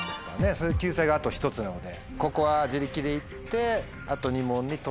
それで救済があと１つなので。